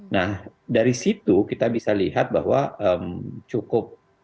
nah dari situ kita bisa lihat bahwa cukup